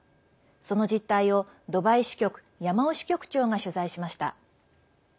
その実態をドバイ支局山尾支局長が取材しました。